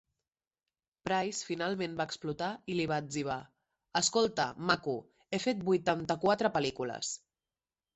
Price finalment va explotar i li va etzibar: "Escolta, maco, he fet vuitanta-quatre pel·lícules".